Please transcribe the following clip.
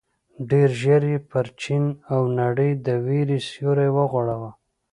ډېر ژر یې پر چين او نړۍ د وېر سيوری وغوړاوه.